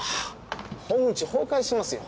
本打ち崩壊しますよ。